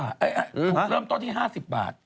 ถูกเริ่มต้นที่๕๐บาท